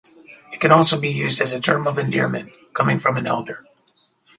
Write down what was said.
It can also be used as a term of endearment coming from an elder.